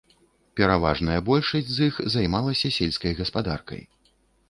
Пераважная большасць з іх займалася сельскай гаспадаркай.